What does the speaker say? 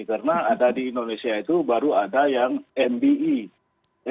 karena ada di indonesia itu baru ada yang mbe